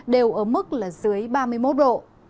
đều ở mức dưới ba mươi một độ